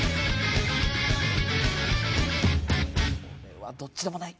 俺はどっちでもない。